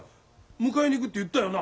迎えに行くって言ったよな。